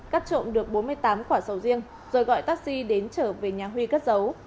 cắt trộm được bốn mươi tám quả sầu riêng rồi gọi taxi đến trở về nhà huy cất giấu